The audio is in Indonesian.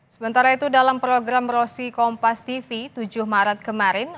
sementara itu dalam program rosi kompas tv tujuh maret kemarin